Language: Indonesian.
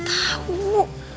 drama banget semua pulangnya